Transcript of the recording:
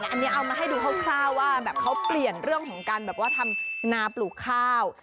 อันนี้เอามาให้ดูคร่าวว่าแบบเขาเปลี่ยนเรื่องของการแบบว่าทำนาปลูกข้าว